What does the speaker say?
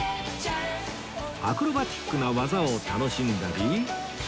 アクロバティックな技を楽しんだり